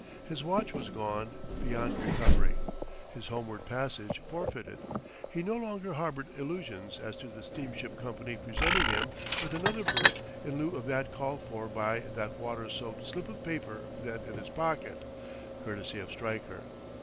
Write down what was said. His watch was gone beyond recovery, his homeward passage forfeited; he no longer harbored illusions as to the steamship company presenting him with another berth in lieu of that called for by that water soaked slip of paper then in his pocket courtesy of Stryker.